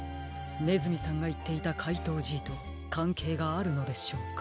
ねずみさんがいっていたかいとうＧとかんけいがあるのでしょうか？